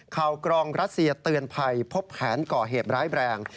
ข่าวกรองรัฐเสียเตือนภัยพบแผนก่อเหตุร้ายแบรนด์